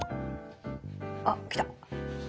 あっ来た！